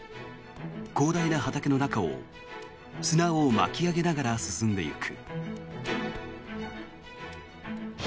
広大な畑の中を砂を巻き上げながら進んでいく。